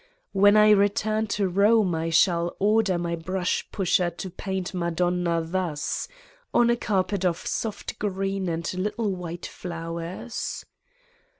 When I return to Borne I shall order my brush pusher to paint Madonna thus : On a carpet of soft green and little white flowers.